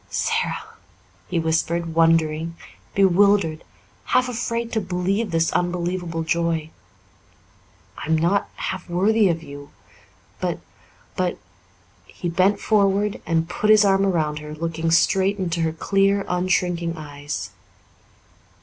"Sara," he whispered, wondering, bewildered, half afraid to believe this unbelievable joy. "I'm not half worthy of you but but" he bent forward and put his arm around her, looking straight into her clear, unshrinking eyes.